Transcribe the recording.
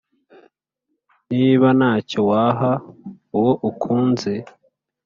Niba ntacyo waha uwo ukunze